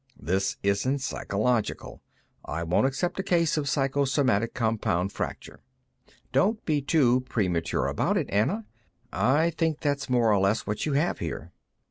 "This isn't psychological. I won't accept a case of psychosomatic compound fracture." "Don't be too premature about it, Anna. I think that's more or less what you have, here."